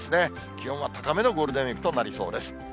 気温は高めのゴールデンウィークとなりそうです。